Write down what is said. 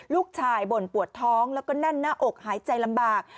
ลูกชายบ่นปวดท้องแล้วก็แน่นหน้าอกหายใจลำบาก